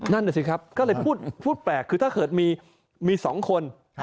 นั่นน่ะสิครับก็เลยพูดแปลกคือถ้าเกิดมี๒คน